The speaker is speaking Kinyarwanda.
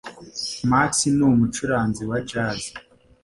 Max numucuranzi wa jazz,